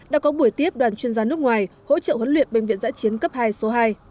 đã có buổi tiếp đoàn chuyên gia nước ngoài hỗ trợ huấn luyện bệnh viện giã chiến cấp hai số hai